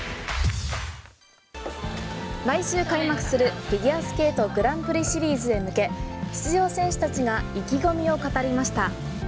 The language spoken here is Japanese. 来週開幕するフィギュアスケートグランプリシリーズへ向け出場選手たちが意気込みを語りました。